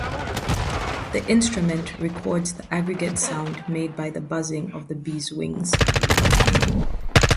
The instrument records the aggregate sound made by the buzzing of the bees' wings.